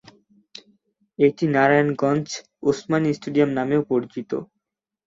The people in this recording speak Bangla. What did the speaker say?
এটি নারায়ণগঞ্জ ওসমানী স্টেডিয়াম নামেও পরিচিত।